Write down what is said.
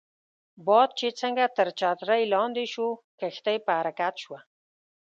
باد چې څنګه تر چترۍ لاندې شو، کښتۍ په حرکت شوه.